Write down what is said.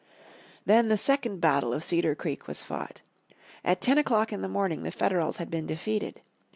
Then the second battle of Cedar Creek was fought. At ten o'clock in the morning the Federals had been defeated.